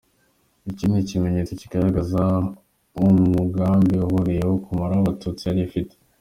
Iki ni ikimenyetso kigaragaza umugambi wihariye wo kumaraho Abatutsi yari afite.